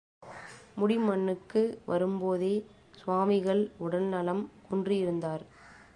முடிமன்னுக்கு வரும்போதே சுவாமிகள் உடல்நலம் குன்றியிருந்தார்.